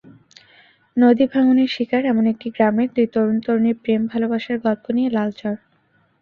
নদীভাঙনের শিকার—এমন একটি গ্রামের দুই তরুণ-তরুণীর প্রেম, ভালোবাসার গল্প নিয়ে লাল চর।